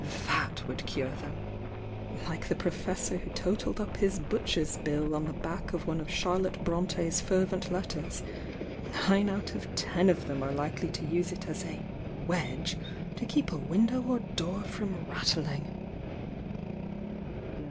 T/iat would cure them ! Like the Pro fessor who totalled up his butcher's bill on the back of one of Charlotte Bronte's fervent letters, nine out of ten of them are likely to use it as a 'wedge' to keep a window or door from rattling!"